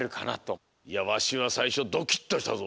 いやわしはさいしょドキッとしたぞ。